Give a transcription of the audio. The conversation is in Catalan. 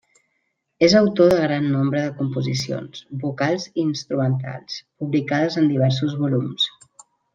És autor de gran nombre de composicions, vocals i instrumentals, publicades en diversos volums.